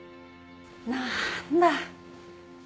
なんだ。